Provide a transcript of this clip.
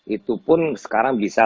itu pun sekarang bisa